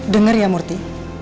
dengar ya murti